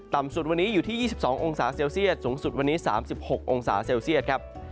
สุดวันนี้อยู่ที่๒๒องศาเซลเซียตสูงสุดวันนี้๓๖องศาเซลเซียตครับ